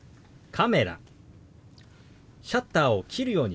「カメラ」。